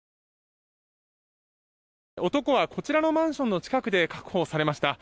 男はこちらのマンションの近くで確保されました。